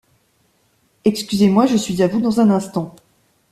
Excusez-moi, je suis à vous dans un instant.